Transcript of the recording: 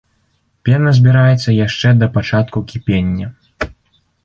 Пена збіраецца яшчэ да пачатку кіпення.